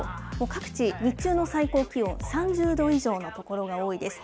各地、日中の最高気温、３０度以上の所が多いです。